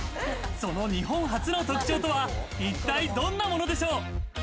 その日本初の特徴とは一体どんなものでしょう？